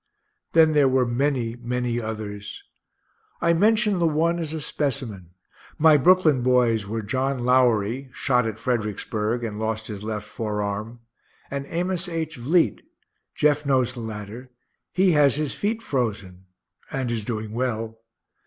Then there were many, many others. I mention the one, as a specimen. My Brooklyn boys were John Lowery, shot at Fredericksburg, and lost his left forearm, and Amos H. Vliet Jeff knows the latter he has his feet frozen, and is doing well.